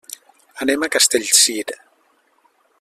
Anem a Castellcir.